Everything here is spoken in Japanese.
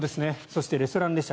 そしてレストラン列車。